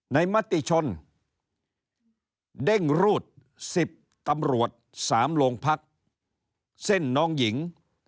มติชนเด้งรูด๑๐ตำรวจ๓โรงพักเส้นน้องหญิง